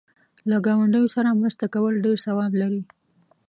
له گاونډیو سره مرسته کول ډېر ثواب لري.